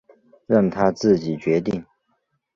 让他自己决定